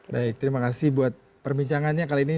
baik terima kasih buat perbincangannya kali ini